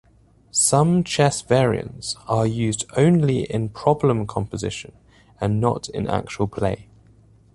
Some chess variants are used only in problem composition and not in actual play.